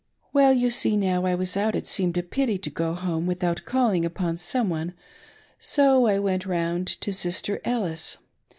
"Well, you s^e, now I was out it seemed a pity to go houie, without calling upon some one ; so ' I went round to Sistser Ellis.